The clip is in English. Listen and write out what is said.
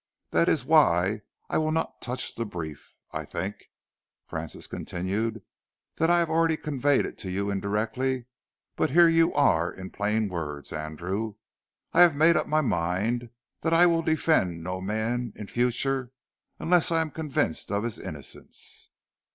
"That is why I will not touch the brief. I think," Francis continued, "that I have already conveyed it to you indirectly, but here you are in plain words, Andrew. I have made up my mind that I will defend no man in future unless I am convinced of his innocence."